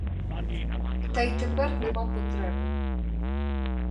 Та й тепер нема потреби.